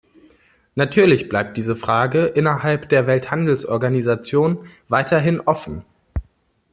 Natürlich bleibt diese Frage innerhalb der Welthandelsorganisation weiterhin offen.